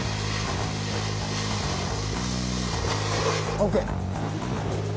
ＯＫ！